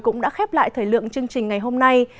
cũng đã khép lại thời lượng chương trình ngày hôm nay